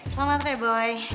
selamat re boy